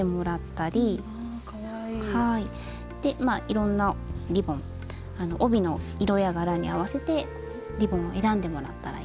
いろんなリボン帯の色や柄に合わせてリボンを選んでもらったらいいですね。